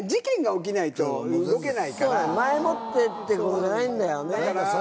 前もってってことじゃないんだよね。